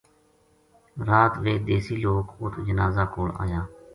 رات ویہ دیسی لوک اُت جنازہ کول آیا